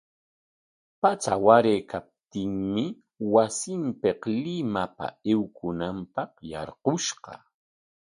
Patsa waraykaptinmi wasinpik Limapa aywananpaq yarqushqa.